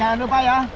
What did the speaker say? jangan lupa ya